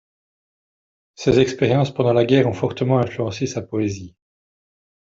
Ses expériences pendant la guerre ont fortement influencé sa poésie.